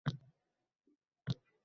Olmasang xafa bo'laman, opa demaysan.